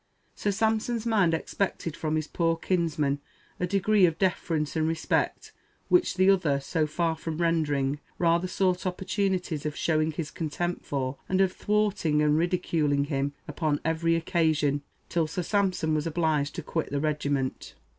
Sir Sampson's mind expected from his poor kinsman a degree of deference and respect which the other, so far from rendering, rather sought opportunities of showing his contempt for, and of thwarting and ridiculing him upon every occasion, till Sir Sampson was obliged to quit the regiment.